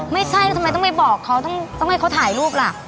ไม่ใช่ทำไมต้องไปบอกเขาต้องให้เขาถ่ายรูปล่ะ